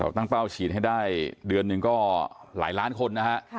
ตั้งเป้าฉีดให้ได้เดือนหนึ่งก็หลายล้านคนนะฮะ